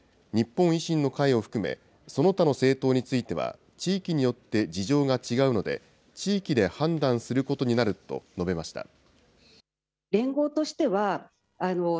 日本維新の会を含め、その他の政党については、地域によって事情が違うので、地域で判断することになると述べました。